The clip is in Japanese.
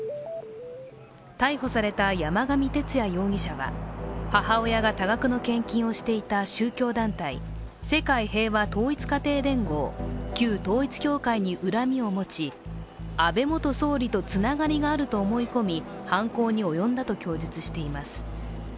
逮捕された山上徹也容疑者は母親が多額の献金をしていた宗教団体、世界平和統一家庭連合、旧統一教会に恨みを持ち、安倍元総理とつながりがあると思い込み、犯行に及んだと供述しています。